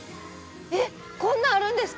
えっこんなんあるんですか？